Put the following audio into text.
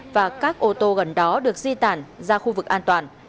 và các ô tô gần đó được di tản ra khu vực an toàn